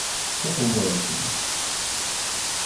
Taqewwadt!